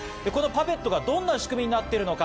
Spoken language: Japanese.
このパペットがどんな仕組みになっているのか？